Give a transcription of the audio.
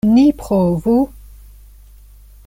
Ni provu!